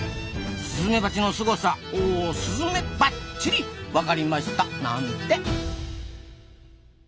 スズメバチのすごさオスズメバッチリわかりました！なんて。